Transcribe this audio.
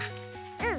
うん。